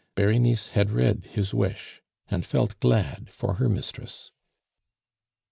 Berenice had read his wish, and felt glad for her mistress.